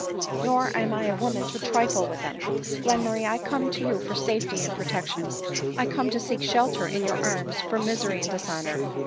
" Nor am I a woman to trifle with them. Glenmurray, I come to you for safety and protection ; 1 come to seek shelter in your arms from misery and dishonor.